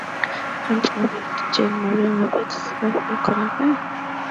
Hunt married Jane Maria Leavitt of Suffield, Connecticut.